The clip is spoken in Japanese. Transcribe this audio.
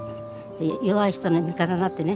弱い人の味方になってね